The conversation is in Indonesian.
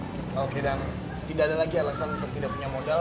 oke dan tidak ada lagi alasan untuk tidak punya modal